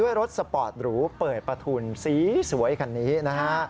รถสปอร์ตหรูเปิดประทุนสีสวยคันนี้นะฮะ